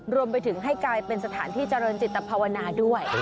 รวมไปถึงให้กลายเป็นสถานที่เจริญจิตภาวนาด้วย